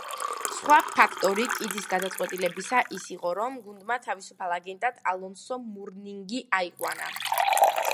სხვა ფაქტორი კიდის გადაწყვეტილებისა ის იყო, რომ გუნდმა თავისუფალ აგენტად ალონსო მურნინგი აიყვანა.